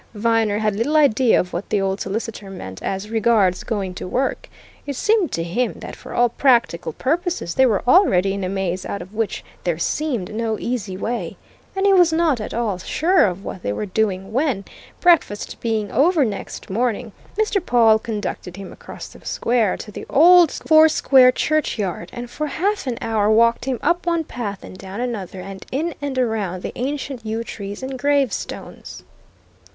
Viner had little idea of what the old solicitor meant as regards going to work; it seemed to him that for all practical purposes they were already in a maze out of which there seemed no easy way. And he was not at all sure of what they were doing when, breakfast being over next morning, Mr. Pawle conducted him across the square to the old four square churchyard, and for half an hour walked him up one path and down another and in and around the ancient yew trees and gravestones.